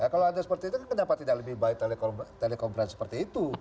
kalau ada seperti itu kan kenapa tidak lebih baik telekonferensi seperti itu